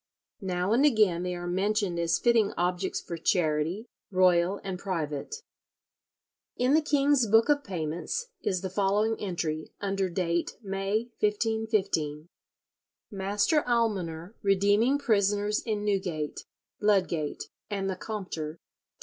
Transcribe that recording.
Now and again they are mentioned as fitting objects for charity, royal and private. In the king's book of payments is the following entry, under date May, 1515: "Master Almoner redeeming prisoners in Newgate, Ludgate, and the Compter, £20."